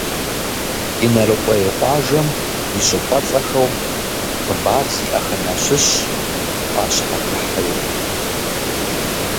Инарыкъуей къуажэм и щӏыпӏэцӏэхэу хъыбар зиӏэхэм ящыщщ «ӏуащхьэтыхьри».